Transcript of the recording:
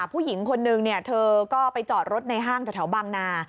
ผู้หญิงคนนึงเธอก็ไปจอดรถในห้างแถวบางนา